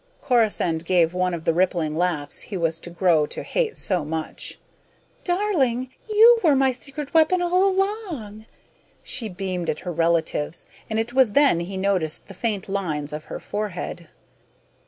Corisande gave one of the rippling laughs he was to grow to hate so much. "Darling, you were my secret weapon all along!" She beamed at her "relatives," and it was then he noticed the faint lines of her forehead.